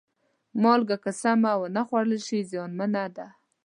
مالګه که سمه ونه خوړل شي، زیانمنه ده.